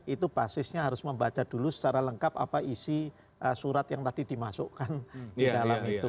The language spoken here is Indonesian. itu basisnya harus membaca dulu secara lengkap apa isi surat yang tadi dimasukkan di dalam itu